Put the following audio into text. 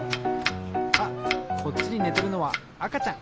あっこっちにねてるのはあかちゃん！